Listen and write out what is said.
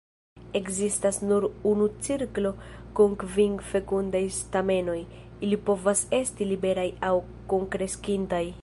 Ekzistas nur unu cirklo kun kvin fekundaj stamenoj; ili povas esti liberaj aŭ kunkreskintaj.